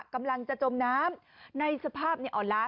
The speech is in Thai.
กำลังจะจมน้ำในสภาพอ่อนล้า